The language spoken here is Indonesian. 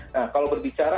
nah kalau berbicara